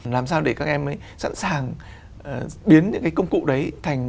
làm sao để các em sẵn sàng biến những cái công cụ đấy